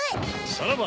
さらば。